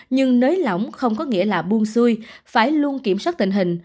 nhưng nới lỏng không có nghĩa là buông xuôi phải luôn kiểm soát tình hình